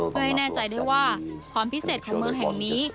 เพื่อให้แน่ใจด้วยว่าความพิเศษของเมืองแห่งนี้